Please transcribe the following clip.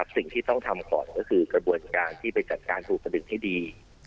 สิ่งที่ต้องทำก่อนก็คือกระบวนการที่ไปจัดการถูกสะดึงให้ดี